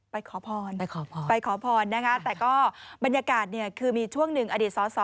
ขอพรไปขอพรไปขอพรนะคะแต่ก็บรรยากาศเนี่ยคือมีช่วงหนึ่งอดีตสอสอ